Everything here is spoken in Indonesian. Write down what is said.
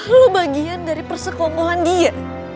lu bagian dari persekompohan dia